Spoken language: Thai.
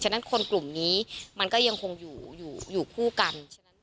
ฉะนั้นคนกลุ่มนี้มันก็ยังคงอยู่ผู้กัน